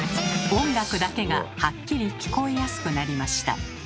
音楽だけがはっきり聞こえやすくなりました。